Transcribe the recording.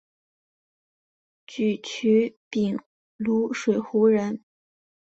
沮渠秉卢水胡人。